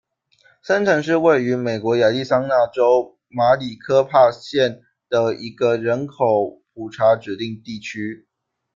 森城是位于美国亚利桑那州马里科帕县的一个人口普查指定地区。